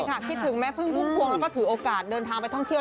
ใช่ค่ะพิธีถึงไหมเพิ่งพุกพักและถือโอกาสเดินทางไปท่องเที่ยว